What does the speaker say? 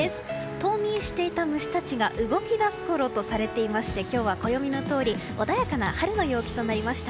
冬眠していた虫たちが動き出すこととされていまして今日は穏やかな春の陽気となりました。